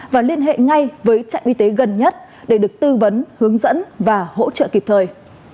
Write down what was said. và liên hệ ngay với trạm y tế gần nhất để được tư vấn hướng dẫn và hỗ trợ kịp thời